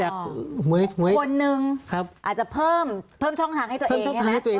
อ๋อคนหนึ่งอาจเพิ่มช่องทางให้ตัวเอง